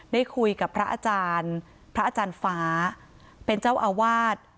ได้คุยกับพระอาจารย์พระอาจารย์ฟ้าเป็นเจ้าอาวาส